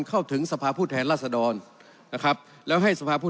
เข้าถึงสภาพผู้แทนราษดรนะครับแล้วให้สภาพผู้